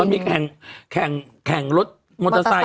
มีแข่งรถมอเตอร์ไซค